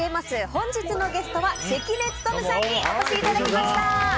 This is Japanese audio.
本日のゲストは関根勤さんにお越しいただきました。